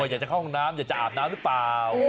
อยากจะเข้าห้องน้ำอยากจะอาบน้ำหรือเปล่า